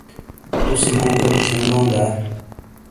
تُوسے مو کروم تھیون بَوں دا؟